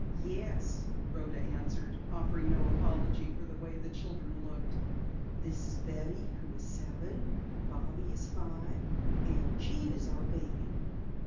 "Yes," Rhoda answered, offering no apology for the way the children looked. "This is Betty, who is seven. Bobby is five, and Jean is our baby."